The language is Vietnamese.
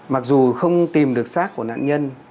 mặc dù không tìm được sát của nạn nhân